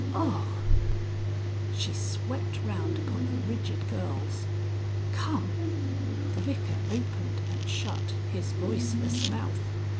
"Oh!" She swept round upon the rigid girls. "Come!" The Vicar opened and shut his voiceless mouth.